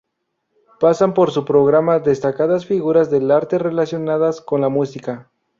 Pasan por su programa destacadas figuras del arte relacionadas con la música.